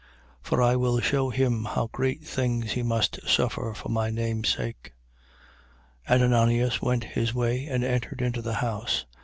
9:16. For I will shew him how great things he must suffer for my name's sake. 9:17. And Ananias went his way and entered into the house.